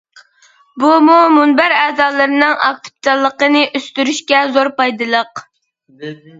بۇمۇ مۇنبەر ئەزالىرىنىڭ ئاكتىپچانلىقىنى ئۆستۈرۈشكە زور پايدىلىق.